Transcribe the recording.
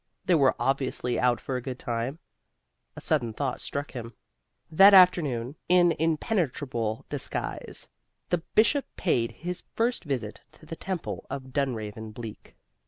They were obviously out for a good time. A sudden thought struck him. That afternoon, in impenetrable disguise, the Bishop paid his first visit to the Temple of Dunraven Bleak.